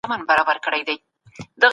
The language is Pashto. ما د هیواد په نقشه کي خپل کلی پیدا کړی.